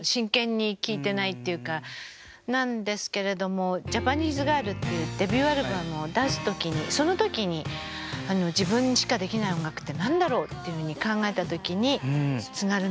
なんですけれども「ＪＡＰＡＮＥＳＥＧＩＲＬ」っていうデビューアルバムを出す時にその時に自分にしかできない音楽って何だろうっていうふうに考えた時に。